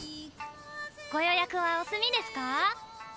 ご予約はお済みですか？